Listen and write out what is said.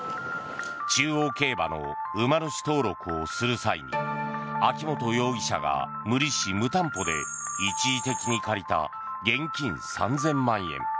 中央競馬の馬主登録をする際に秋本容疑者が無利子・無担保で一時的に借りた現金３０００万円。